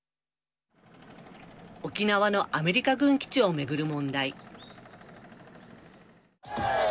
沖縄のアメリカ軍基地をめぐる問題。